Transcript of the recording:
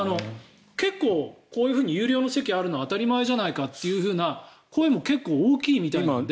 結構、こういうふうに有料の席があるの当たり前じゃないかという声も大きいみたいなので。